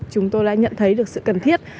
chúng tôi đã nhận thấy được sự cần thiết